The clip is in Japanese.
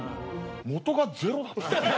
元がゼロだった。